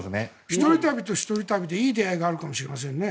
一人旅と一人旅でいい出会いがあるかもしれませんね。